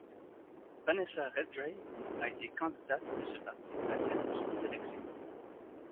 Vanessa Redgrave a été candidate de ce parti à diverses élections.